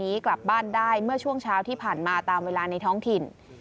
กลับบ้านได้เมื่อช่วงเช้าที่ผ่านมาตามเวลาในท้องถิ่น